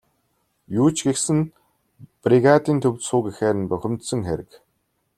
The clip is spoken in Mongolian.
Юу ч гэсэн бригадын төвд суу гэхээр нь бухимдсан хэрэг.